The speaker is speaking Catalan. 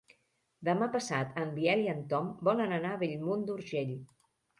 Demà passat en Biel i en Tom volen anar a Bellmunt d'Urgell.